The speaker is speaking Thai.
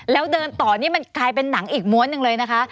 แล้วเดินต่อนี่มันกลายเป็นหนังอีกม้วนหนึ่งเลยนะคะ